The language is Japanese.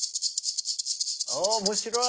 お面白い！